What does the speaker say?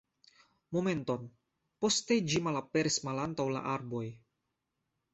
Momenton poste ĝi malaperis malantaŭ la arboj.